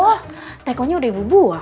oh tegoknya udah ibu buang